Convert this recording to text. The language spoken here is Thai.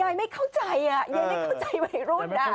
ยายไม่เข้าใจยายไม่เข้าใจวัยรุ่น